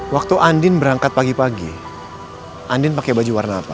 waktu andin berangkat pagi pagi andin pakai baju warna apa